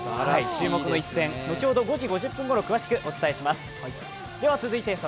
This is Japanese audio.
注目の一戦、後ほど５時５０分ごろ詳しくお伝えします。